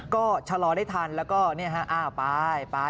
ก็ถ้ารอได้ทันแล้วก็นี่ฮะไป